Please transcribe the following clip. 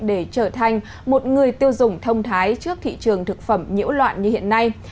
để trở thành một người tiêu dùng thông thái trước thị trường thực phẩm nhiễu loạn như hiện nay